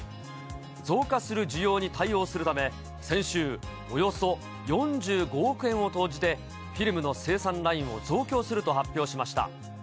増加する需要に対応するため、先週、およそ４５億円を投じて、フィルムの生産ラインを増強すると発表しました。